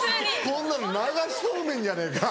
こんなの流しそうめんじゃねえか。